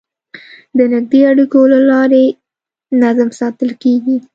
د نږدې اړیکو له لارې نظم ساتل کېږي.